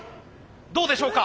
どうでしょうか？